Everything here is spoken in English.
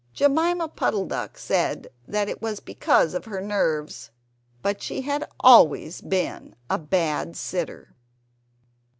Jemima Puddle duck said that it was because of her nerves; but she had always been a bad sitter.